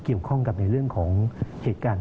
เกี่ยวข้องกับในเรื่องของเหตุการณ์